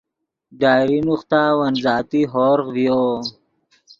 ڈائری نوختا ون ذاتی ہورغ ڤیو